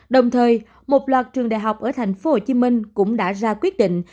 đồng thời một loạt trường đại học ở tp hcm cũng đã ra quyết định